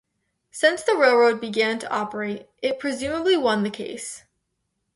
Since the railroad began to operate, it presumably won the case.